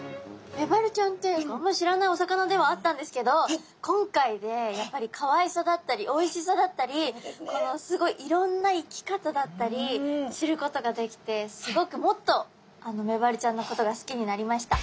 メバルちゃんってあんまり知らないお魚ではあったんですけど今回でやっぱりかわいさだったりおいしさだったりすごいいろんな生き方だったり知ることができてすごくもっとメバルちゃんのことが好きになりました。